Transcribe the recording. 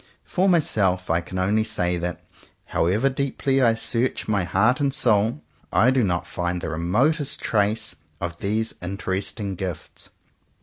For myself I can only say that, however deeply I search my heart and soul, I do not find the remotest trace of these interesting gifts.